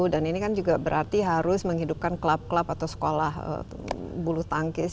dan ini kan juga berarti harus menghidupkan klub klub atau sekolah bulu tangkis